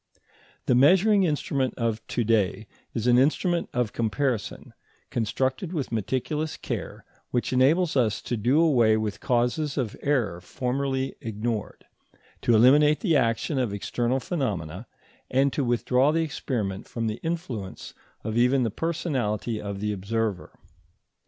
The measuring instrument of to day is an instrument of comparison constructed with meticulous care, which enables us to do away with causes of error formerly ignored, to eliminate the action of external phenomena, and to withdraw the experiment from the influence of even the personality of the observer.